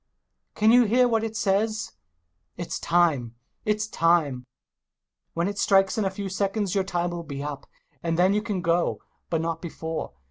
Can you hear what it says ?— "It's time ! It's time !"— ^When it strikes in a few seconds, your time will be up, and then you can go, but not before.